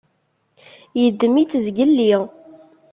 Yeddem-itt zgelli.